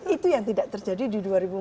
itu yang tidak terjadi di dua ribu empat belas